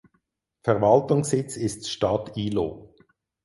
Verwaltungssitz ist Stadt Ilo.